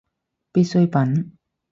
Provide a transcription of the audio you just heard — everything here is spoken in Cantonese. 必需品